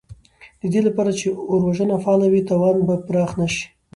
د دې لپاره چې اور وژنه فعاله وي، تاوان به پراخ نه شي.